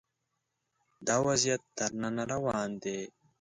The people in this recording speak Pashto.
دا وضعیت تر ننه روان دی